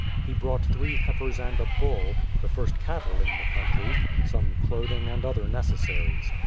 He brought three heifers and a bull, — the first cattle In the country, — some clothing and other neces saries.